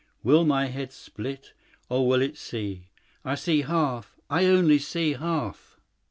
Will my head split or will it see? I see half I only see half."